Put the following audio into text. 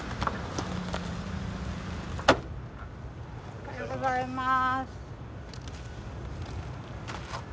おはようございます。